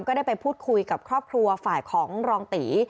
ได้ไปพูดคุยกับครอบครัวฝ่ายของรองตี